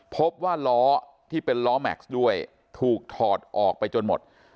พบว่าล้อที่เป็นล้อแม็กซ์ด้วยถูกถอดออกไปจนหมด